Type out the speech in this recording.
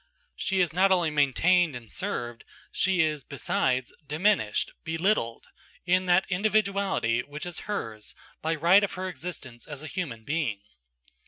She is not only maintained and served, she is, besides, diminished, belittled, in that individuality which is hers by right of her existence as a human being.